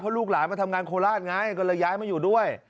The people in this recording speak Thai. ลูกหลานมาทำงานโคราชไงก็เลยย้ายมาอยู่ด้วย